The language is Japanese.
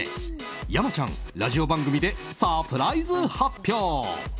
山ちゃん、ラジオ番組でサプライズ発表。